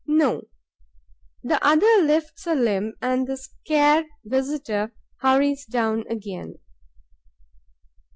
No. The other lifts a limb and the scared visitor hurries down again.